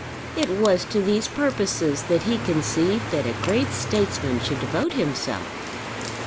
It was to these purposes that he conceived that a great Statesman should devote himself!